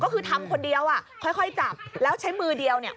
ก็คือทำคนเดียวอ่ะค่อยจับแล้วใช้มือเดียวเนี่ย